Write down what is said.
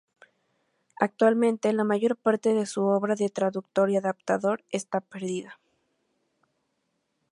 Actualmente, la mayor parte de su obra de traductor y adaptador está perdida.